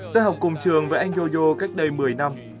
tôi học cùng trường với anh yo yo cách đây một mươi năm